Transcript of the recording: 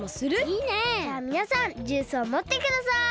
じゃあみなさんジュースをもってください。